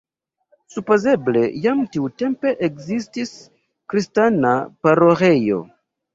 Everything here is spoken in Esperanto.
Supozeble jam tiutempe ekzistis kristana paroĥejo.